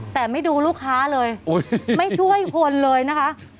แต่ไม่ดูลูกค้าเลยไม่ช่วยคนเลยนะคะ